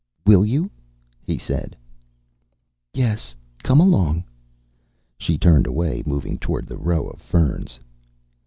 "Will you?" he said. "Yes. Come along." She turned away, moving toward the row of ferns.